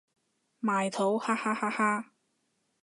埋土哈哈哈哈